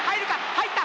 入った！